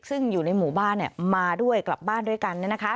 ซึ่งอยู่ในหมู่บ้านมาด้วยกลับบ้านด้วยกัน